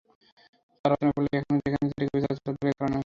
তাঁরা অচেনা বলেই এখনো যেখানে যেটুকু বিচার হয়, তাঁদের কারণেই হচ্ছে।